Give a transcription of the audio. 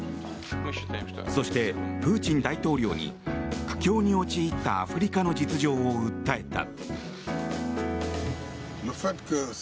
そして、プーチン大統領に苦境に陥ったアフリカの実情を訴えた。